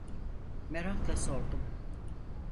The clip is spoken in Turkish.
Merakla sordum: